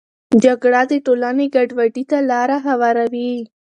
جګړه د ټولنې ګډوډي ته لاره هواروي.